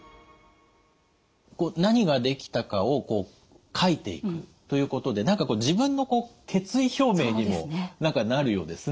何ができたかをこう書いていくということで何か自分の決意表明にもなるようですね。